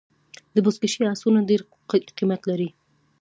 د بزکشۍ آسونه ډېر قیمت لري.